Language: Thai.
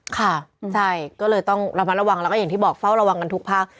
ค่ะใช่ก็เลยต้องระมัดระวังแล้วก็อย่างที่บอกเฝ้าระวังกันทุกภาค